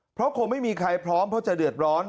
เพราะคงไม่มีใครพร้อมเพราะจะเดือดร้อน